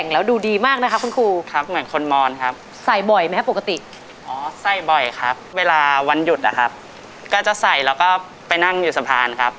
ในเมื่อเราเขียนไฟแล้วเชิญลงไปนำไฟกัน